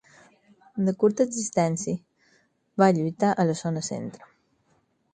De curta existència, va lluitar a la zona centre.